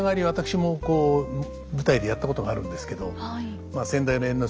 私もこう舞台でやったことがあるんですけど。